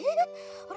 あれ？